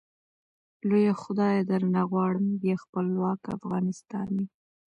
لويه خدايه درنه غواړم ، بيا خپلوک افغانستان مي